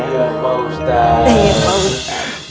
ya pak ustadz